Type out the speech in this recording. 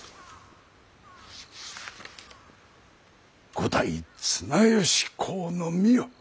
五代綱吉公の御世。